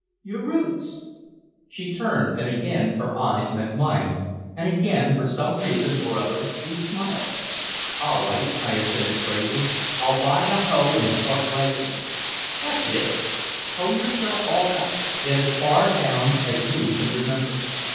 "Your roots." She turned and again her eyes met mine, and again for some reason or other we smiled. "All right," I assented gravely, "I'll buy a hoe and start right in." "That's it, hoe yourself all up. Get as far down as you can remember.